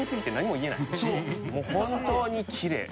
もう本当にきれい。